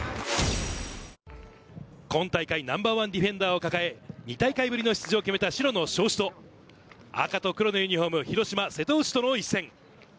今大会ナンバーワンディフェンダーを抱え、２大会ぶりの出場を決めた白の尚志と赤と黒のユニホーム、広島・瀬戸内との一戦。